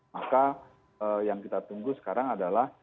maka yang kita tunggu sekarang adalah